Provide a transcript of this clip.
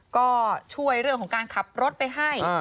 ก็ช่วยเรื่องของการขับรถไปให้